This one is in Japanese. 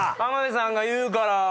浜辺さんが言うから。